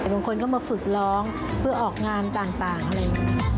แต่บางคนก็มาฝึกร้องเพื่อออกงานต่างอะไรอย่างนี้